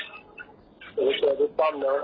แล้วจะไปที่ห้อง